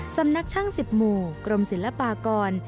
สำนักช่าง๑๐หมู่กรมศิลปากร